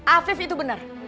afif itu benar